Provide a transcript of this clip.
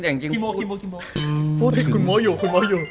คุณโม้อยู่คุณโม้อยู่